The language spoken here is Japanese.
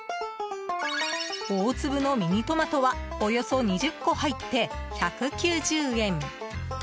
大粒のミニトマトはおよそ２０個入って１９０円。